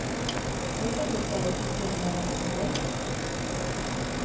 É correcta a decisión de Ana Pontón?